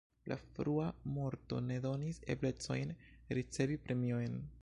La frua morto ne donis eblecojn ricevi premiojn.